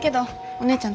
お姉ちゃん